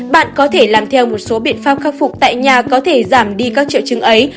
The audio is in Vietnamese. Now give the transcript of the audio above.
bạn có thể làm theo một số biện pháp khắc phục tại nhà có thể giảm đi các triệu chứng ấy